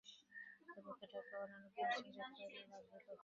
তদপেক্ষা ঢাকা বা অন্য কোন স্থানে যাইতে পারিলেই ভাল হইত।